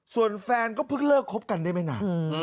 ส่วนแฟนก็เพิ่งเลิกคบกันได้ไม่นาน